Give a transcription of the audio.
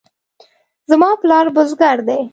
زما پلار بزګر دی